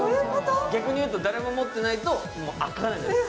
逆に言うと、誰も持ってないと開かないです。